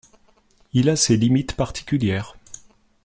Il a ses limites particulières.